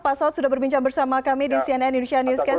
pak saud sudah berbincang bersama kami di cnn indonesia newscast